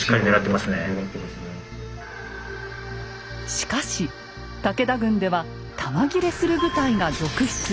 しかし武田軍では弾切れする部隊が続出。